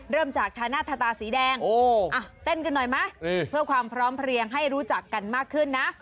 เริ่มจากชาหน้าทาตาสีแดงเต้นกันหน่อยไหมเพื่อความพร้อมเพลียงให้รู้จักกันมากขึ้นนะ